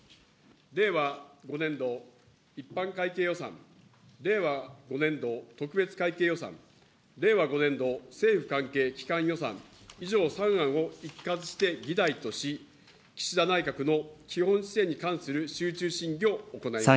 令和５年度一般会計予算、令和５年度特別会計予算、令和５年度政府関係機関予算、以上３案を一括して議題とし、岸田内閣の基本姿勢に関する集中審議を行います。